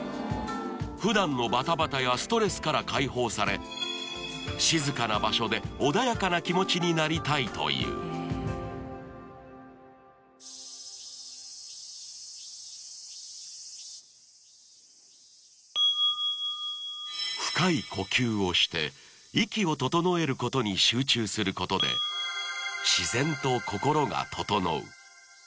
普段のバタバタやストレスから解放されなりたいという深い呼吸をして息を整えることに集中することで自然と心が整う